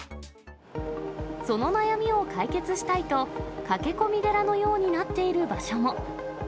その悩みを解決したいと、駆け込み寺のようになっている場所も。